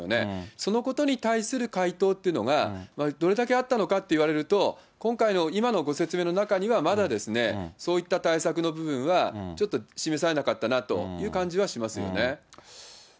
そのことに対する回答っていうのが、どれだけあったのかといわれると、今回の、今のご説明の中には、まだですね、そういった対策の部分は、ちょっと示されなかったなという感じはしますよね。